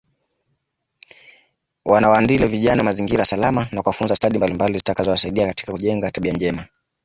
Wawaandalie vijana mazingira salama na kuwafunza stadi mbalimbali zitakazowasaidia katika kujenga tabia njema